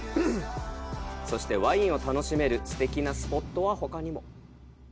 そして、ワインを楽しめるすてきなスポットはほかにも。